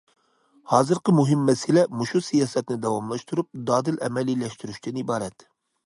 ھازىرقى مۇھىم مەسىلە، مۇشۇ سىياسەتنى داۋاملاشتۇرۇپ، دادىل ئەمەلىيلەشتۈرۈشتىن ئىبارەت.